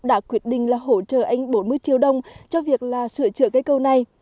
đã quyết định là hỗ trợ anh bốn mươi triệu đồng cho việc là sửa chữa cái câu này